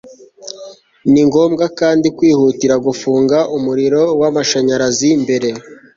ni ngobwa kandi kwihutira gufunga umuriro w'amashanyarazi mbere